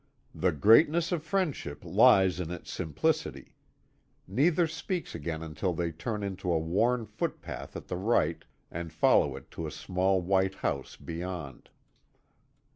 The greatness of friendship lies in its simplicity. Neither speaks again until they turn into a worn foot path at the right, and follow it to a small white house beyond.